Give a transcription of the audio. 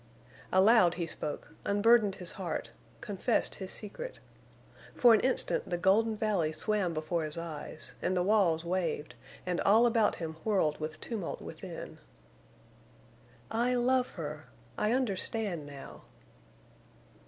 Aloud he spoke—unburdened his heart—confessed his secret. For an instant the golden valley swam before his eyes, and the walls waved, and all about him whirled with tumult within. "I love her!... I understand now."